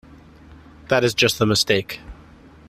That is just the mistake.